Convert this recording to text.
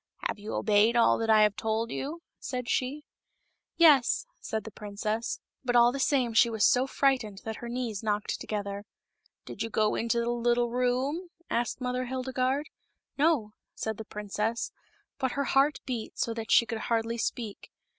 " Have you obeyed all that I have told you ?" said she, " Yes," said the princess, but all the same she was so frightened that her knees knocked together. " Did you go into the little room ?" said Mother Hildegarde. " No," said the princess ; but her heart beat so that she could hardly speak.